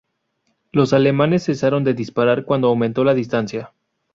Los alemanes cesaron de disparar cuando aumentó la distancia.